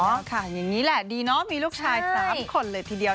ค่ะอย่างนี้แหละดีเนาะมีลูกชาย๓คนเลยทีเดียว